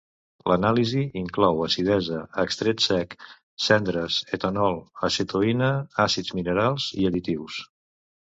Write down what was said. L'anàlisi inclou acidesa, extret sec, cendres, etanol, acetoïna, àcids minerals i additius.